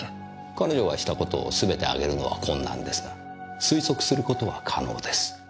彼女がしたことをすべて挙げるのは困難ですが推測することは可能です。